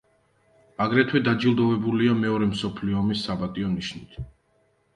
აგრეთვე დაჯილდოებულია მეორე მსოფლიო ომის „საპატიო ნიშნით“.